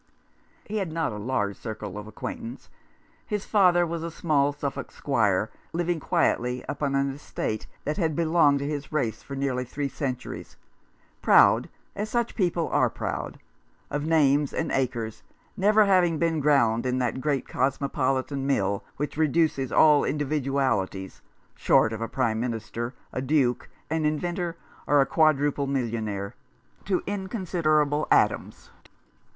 He had not a large circle of acquaintance. His father was a small Suffolk squire, living quietly upon an estate that had belonged to his race for nearly three centuries, proud, as such people are proud, of names and acres, never having been ground in that great cosmopolitan mill which reduces all individualities — short of a Prime Minister, a Duke, an inventor, or a quadruple millionaire — to inconsiderable atoms.